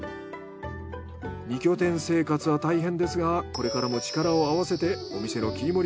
二拠点生活は大変ですがこれからも力を合わせてお店の切り盛り頑張ってください。